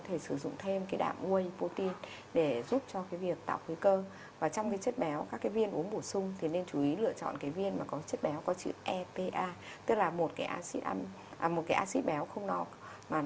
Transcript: tức là một cái acid béo không nóc mà nó thuộc họ omega ba